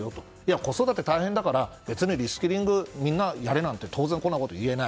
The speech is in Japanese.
子育て大変だから別にリスキングをみんなやれなんて当然、こんなことは言えない。